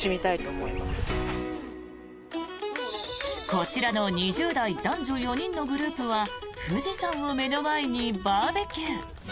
こちらの２０代男女４人のグループは富士山を目の前にバーベキュー。